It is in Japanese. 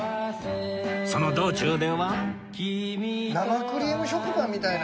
その道中では